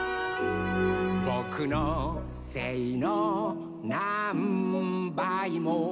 「ぼくのせいのなんばいも」